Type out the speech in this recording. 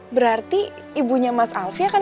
berarti ibunya mas alfie akan